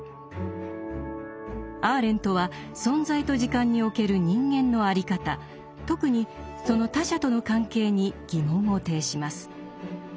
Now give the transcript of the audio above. アーレントは「存在と時間」における人間のあり方特にその他者との関係に疑問を呈します。